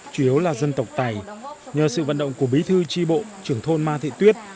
chủ yếu là dân tộc tày nhờ sự vận động của bí thư tri bộ trưởng thôn ma thị tuyết